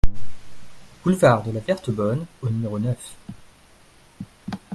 Boulevard de la Verte Bonne au numéro neuf